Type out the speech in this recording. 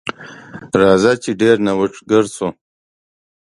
راځه چې ډیر نوښتګر شو.